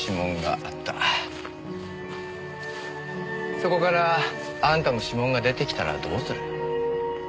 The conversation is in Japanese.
そこからあんたの指紋が出てきたらどうする？